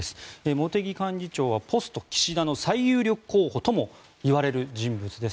茂木幹事長はポスト岸田の最有力候補ともいわれる人物です。